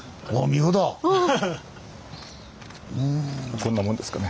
こんなもんですかね。